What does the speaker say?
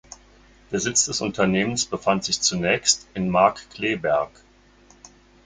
Der Sitz des Unternehmens befand sich zunächst in Markkleeberg.